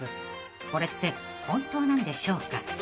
［これって本当なんでしょうか］